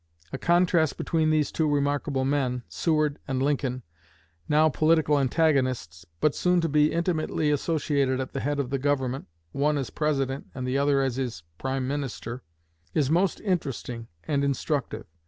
A contrast between these two remarkable men, Seward and Lincoln, now political antagonists but soon to be intimately associated at the head of the Government one as President and the other as his prime minister is most interesting and instructive.